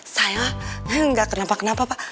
saya enggak kenapa kenapa pak